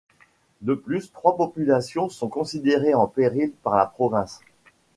De plus trois populations sont considérées en péril par la province.